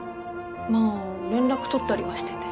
まあ連絡取ったりはしてて。